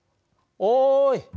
おい。